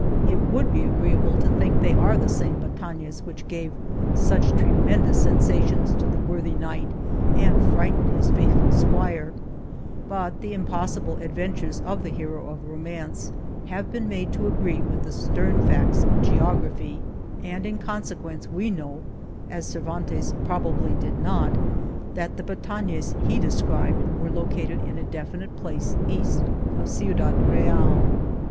It would be agreeable to think they are the same butanes which gave such tremendous sensations to the worthy Knight and frightened his faithful Squire, but the impossible adventures of the hero of romance have been made to agree with the stern facts of geography, and in consequence we know, as Cervantes probably did not, that the bu tanes he described were located in a definite place east of Ciudad Real.